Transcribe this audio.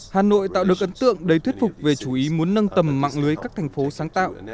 hà nội tạo được ấn tượng để thuyết phục về chú ý muốn nâng tầm mạng lưới các thành phố sáng tạo